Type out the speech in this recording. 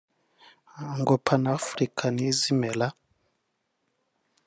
Ngo panafricanisme ra